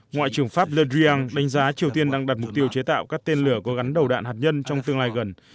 ngoại trưởng pháp le dryan đánh giá triều tiên đang đặt mục tiêu chế tạo các tên lửa có gắn đầu đạn hạt nhân trong tương lai gần